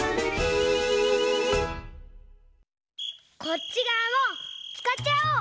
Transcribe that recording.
こっちがわもつかっちゃおう！